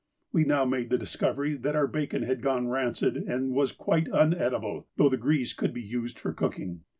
We now made the discovery that our bacon had gone rancid and was quite uneatable, though the grease could be used for cooking.